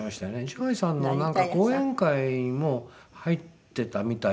壽海さんのなんか後援会も入っていたみたいで。